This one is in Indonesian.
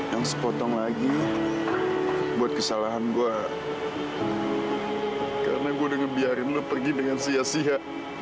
yang sepotong lagi buat kesalahan gue karena gue udah ngebiarin lo pergi dengan sia sia